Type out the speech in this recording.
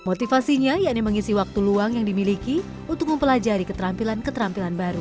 motivasinya yakni mengisi waktu luang yang dimiliki untuk mempelajari keterampilan keterampilan baru